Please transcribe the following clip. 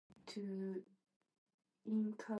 All the children survived the war.